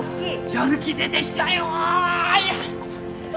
やる気出てきたよやった！